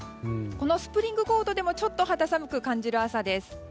このスプリングコートでもちょっと肌寒く感じる朝です。